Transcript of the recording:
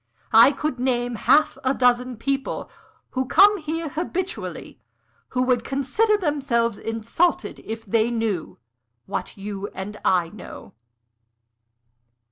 I could name half a dozen people, who come here habitually, who would consider themselves insulted if they knew what you and I know."